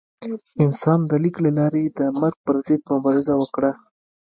انسان د لیک له لارې د مرګ پر ضد مبارزه وکړه.